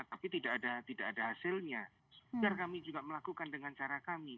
tapi tidak ada hasilnya biar kami juga melakukan dengan cara kami